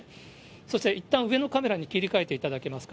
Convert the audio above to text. そしていったん、上のカメラに切り替えていただけますか。